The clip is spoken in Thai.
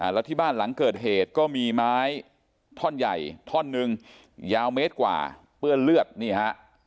แล้วที่บ้านหลังเกิดเหตุก็มีไม้ท่อนใหญ่ท่อนหนึ่งยาวเมตรกว่าเปื้อนเลือดนี่ฮะ